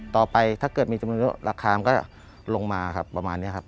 ต่อไปถ้าเกิดมีจำนวนละคาก็ลงมาครับประมาณเนี้ยครับ